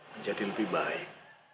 menjadi lebih baik